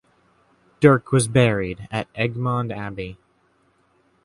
Dirk was buried at Egmond Abbey.